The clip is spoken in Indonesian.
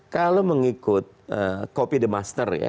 kalau mengikut copy the master ya